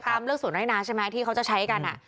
ตามเลือกศูนย์ให้น้าใช่ไหมที่เขาจะใช้กันอ่ะ